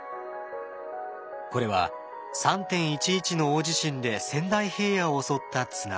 これは３．１１の大地震で仙台平野を襲った津波。